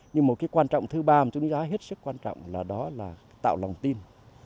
nhưng một cái quan trọng thứ ba mà chúng ta hết sức quan trọng là đó là tạo lòng tin